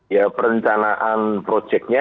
ya perencanaan projeknya